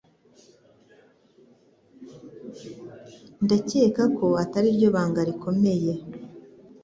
Ndakeka ko atariryo banga rikomeye